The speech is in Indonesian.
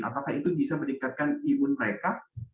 apakah itu bisa meningkatkan imun mereka